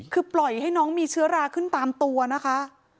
คือปล่อยให้น้องมีเชื้อราขึ้นตามตัวนะคะ